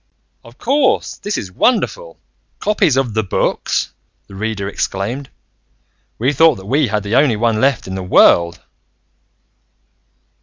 "Of course! This is wonderful. Copies of The Books!" the Reader exclaimed. "We thought that we had the only one left in the world!"